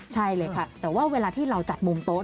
ใช่เลยค่ะแต่ว่าเวลาที่เราจัดมุมโต๊ะ